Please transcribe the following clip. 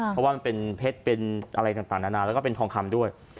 เพราะว่ามันเป็นเพชรเป็นอะไรต่างนานาแล้วก็เป็นทองคำด้วย